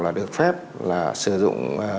là được phép sử dụng